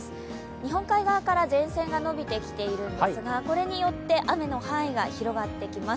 日本海側から前線が延びてきているんですが、これによって雨の範囲が広がってきます。